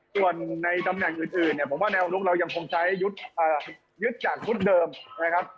ส่วนในตำแหน่งอื่นเนี่ยผมว่าแนวรุกเรายังคงใช้ยึดจากชุดเดิมนะครับ